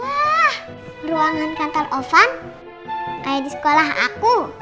wah ruangan kantor offan kayak di sekolah aku